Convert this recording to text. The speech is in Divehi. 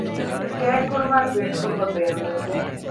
ސްކޭން ކުރުމާއި ޕްރިންޓް ކުރުމަށް ބޭނުންވެއްޖެ